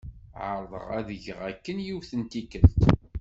Ԑerḍeɣ ad geɣ akken yiwet n tikelt.